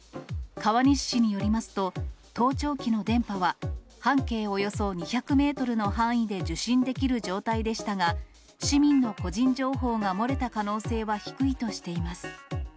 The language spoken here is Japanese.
川西市によりますと、盗聴器の電波は、半径およそ２００メートルの範囲で受信できる状態でしたが、市民の個人情報が漏れた可能性は低いとしています。